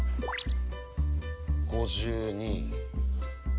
５２。